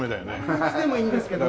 壇蜜でもいいんですけど。